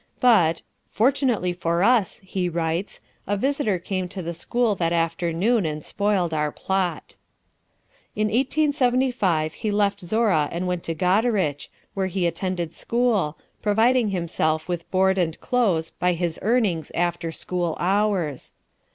But, "fortunately for us," he writes, "a visitor came to the school that afternoon and spoiled our plot." In 1875 he left Zorra and went to Goderich, where he attended school, providing himself with board and clothes by his earnings after school hours.